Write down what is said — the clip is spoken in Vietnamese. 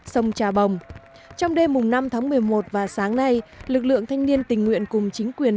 sông trà bồng trong đêm năm tháng một mươi một và sáng nay lực lượng thanh niên tình nguyện cùng chính quyền